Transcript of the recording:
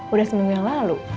udah seminggu yang lalu